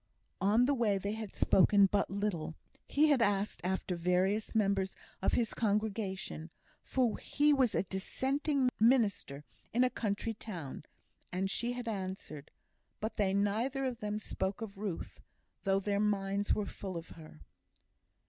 On the way they had spoken but little. He had asked after various members of his congregation, for he was a Dissenting minister in a country town, and she had answered; but they neither of them spoke of Ruth, though their minds were full of her.